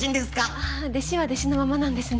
あぁ弟子は弟子のままなんですね。